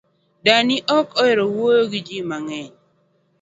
Dani ok ohero wuoyo gi jii mang’eny